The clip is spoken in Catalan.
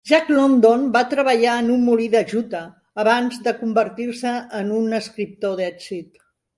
Jack London va treballar en un molí de juta abans de convertir-se en un escriptor d'èxit.